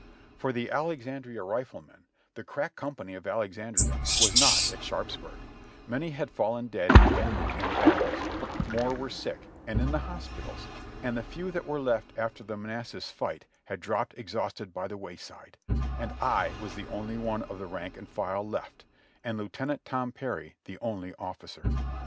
For the Alexandria Riflemen, the crack company of Alexandria, was not at Sharpsburg; many had fallen dead and wounded in the battles; more were sick and in the hospitals, and the few that were left after the Manassas fight had dropped exhausted by the wayside, and I was the only one of the rank and file left, and Lieutenant Tom Perry the only officer.